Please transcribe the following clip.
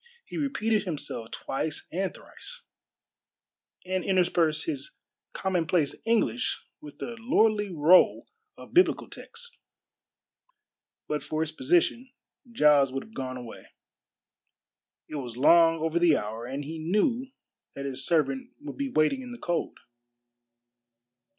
He repeated himself twice and thrice, and interspersed his common place English with the lordly roll of biblical texts. But for his position, Giles would have gone away. It was long over the hour, and he knew that his servant would be waiting in the cold.